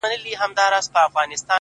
• زه مي د زلمیو شپو توبه یمه ماتېږمه ,